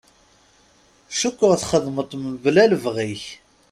Cukkeɣ txedmeḍ-t mebla lebɣi-k.